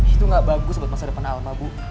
itu gak bagus buat masa depan alma bu